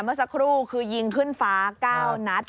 เมื่อสักครู่คือยิงขึ้นฟ้า๙นัด